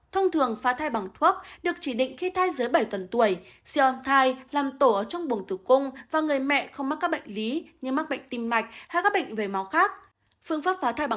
thông thường phá thai bằng thuốc được chỉ định khi thai dưới bảy tuần tuổi